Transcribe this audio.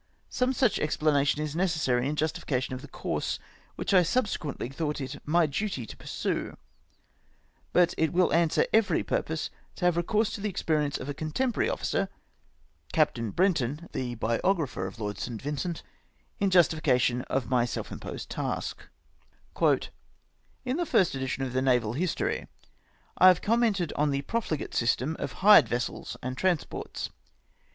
Some such explanation is necessary in justification of the course which I subsequently thought it my duty to pursue, but it will answer every purpose to have recourse to the experience of a contemporary officer — Captain Brenton, the biographer of Lord St. Vincent — in justi fication of my self imposed task :— "In the first edition of the Naval History, I have com mented on the profligate system of hired vessels and trans ports.